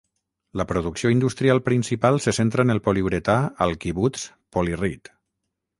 La producció industrial principal se centra en el poliuretà al quibuts Polyrit.